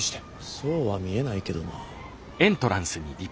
そうは見えないけどな。